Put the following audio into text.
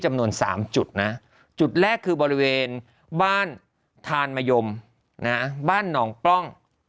จำนวน๓จุดนะจุดแรกคือบริเวณบ้านทานมะยมบ้านหนองปล้อง